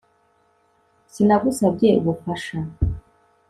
Sinagusabye ubufasha